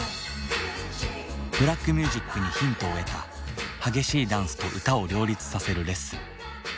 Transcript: ブラックミュージックにヒントを得た激しいダンスと歌を両立させるレッスン。